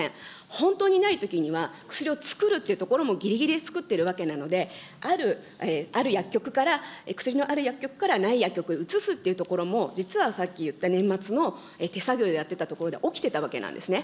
本当にないときには、薬をつくるというところもぎりぎりで作っているわけなので、ある薬局から、薬のある薬局から、ない薬局へ移すっていうところも、実はさっき言った年末の手作業でやってたところでは起きていたわけなんですね。